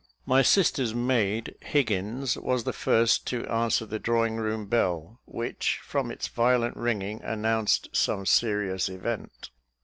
My sister's maid, Higgins, was the first to answer the drawing room bell, which, from its violent ringing, announced some serious event.